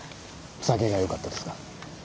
酒がよかったですか。